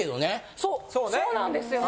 そうそうなんですよね。